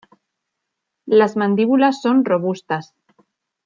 Las mandíbulas son robustas.